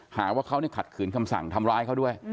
หาว่าเขาขัดขืนคำสั่งทำร้ายเขาด้วย